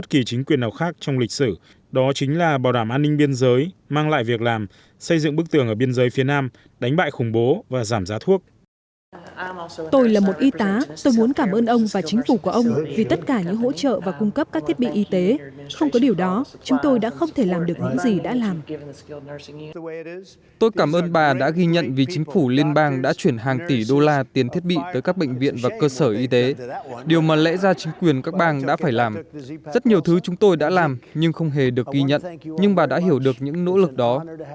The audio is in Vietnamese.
tôi cảm ơn bà đã ghi nhận vì chính phủ liên bang đã chuyển hàng tỷ đô la tiền thiết bị tới các bệnh viện và cơ sở y tế điều mà lẽ ra chính quyền các bang đã phải làm rất nhiều thứ chúng tôi đã làm nhưng không hề được ghi nhận nhưng bà đã hiểu được những nỗ lực đó